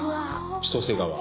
千歳川。